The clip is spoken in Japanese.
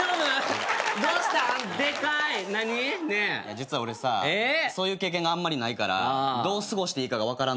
実は俺さそういう経験があんまりないからどう過ごしていいかが分からん。